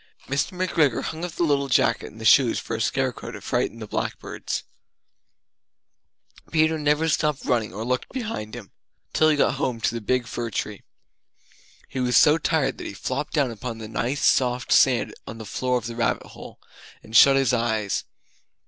Mr. McGregor hung up the little jacket and the shoes for a scare crow to frighten the blackbirds. Peter never stopped running or looked behind him Till he got home to the big fir tree. He was so tired that he flopped down upon the nice soft sand on the floor of the rabbit hole, and shut his eyes.